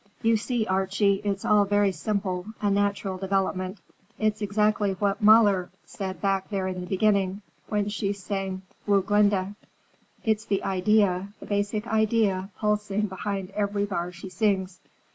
"You see, Archie, it's all very simple, a natural development. It's exactly what Mahler said back there in the beginning, when she sang Woglinde. It's the idea, the basic idea, pulsing behind every bar she sings.